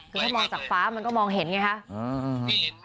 ถ้ามองจากฟ้าม่านก็มองเห็นอย่างงี้ฮะ